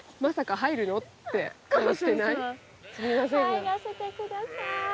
入らせてください。